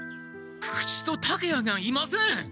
久々知と竹谷がいません！